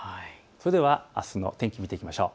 それではあすの天気を見ていきましょう。